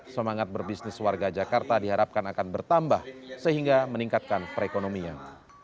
semangat berbisnis warga jakarta diharapkan akan bertambah sehingga meningkatkan perekonomian